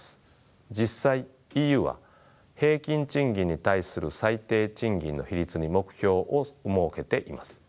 実際ＥＵは平均賃金に対する最低賃金の比率に目標を設けています。